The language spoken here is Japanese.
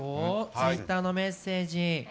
ツイッターのメッセージ。